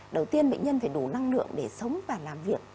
đầu tiên bệnh nhân phải đủ năng lượng để sống và làm việc